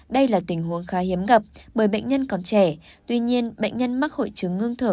đây là tình huống khá hiếm gặp bởi bệnh nhân còn trẻ tuy nhiên bệnh nhân mắc hội chứng ngưng thở